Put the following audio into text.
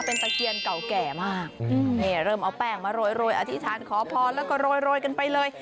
เป็นตะเคียนเก่าแก่มากนี่เริ่มเอาแป้งมาโรยอธิษฐานขอพรแล้วก็โรยกันไปเลย